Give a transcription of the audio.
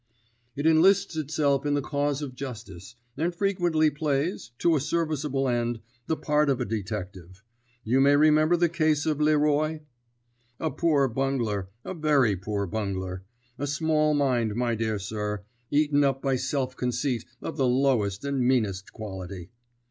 "It enlists itself in the cause of justice, and frequently plays, to a serviceable end, the part of a detective. You may remember the case of Leroy." "A poor bungler, a very poor bungler. A small mind, my dear sir, eaten up by self conceit of the lowest and meanest quality."